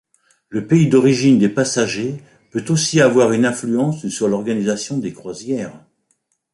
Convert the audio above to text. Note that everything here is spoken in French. Le pays d'origine des passagers peut aussi avoir une influence sur l'organisation des croisières.